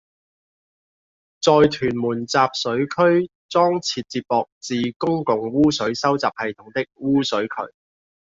在屯門集水區裝設接駁至公共污水收集系統的污水渠